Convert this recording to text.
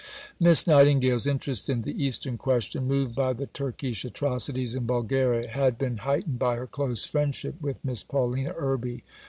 Miss Nightingale's interest in the Eastern Question, moved by the Turkish atrocities in Bulgaria, had been heightened by her close friendship with Miss Paulina Irby.